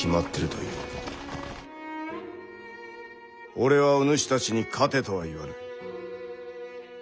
俺はお主たちに勝てとは言わぬ。